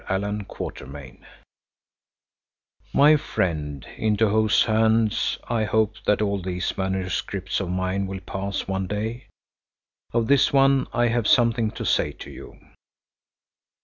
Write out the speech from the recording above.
ALLAN QUATERMAIN My friend, into whose hands I hope that all these manuscripts of mine will pass one day, of this one I have something to say to you.